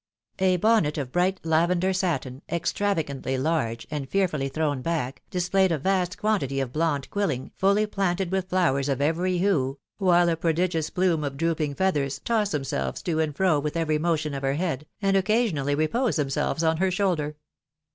A bonnet of bright lavender satin, extravagantly large, and fearfully thrown back, displayed « vast quantity of blonde quilling, *iHy planted .with 'flowers of every hue, while a prodigious •phsme of drooping feathers tossed themselves to «nd fro with .every motion of her head, and occasionally reposed themselves on her shoulder.